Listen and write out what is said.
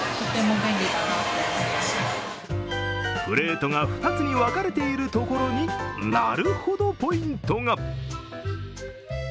プレートが２つに分かれているところに、なるほどポイントが。